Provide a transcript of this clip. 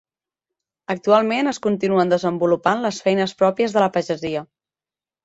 Actualment es continuen desenvolupant les feines pròpies de la pagesia.